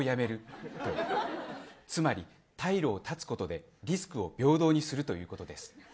つまり退路を断つことでリスクを平等にするということです。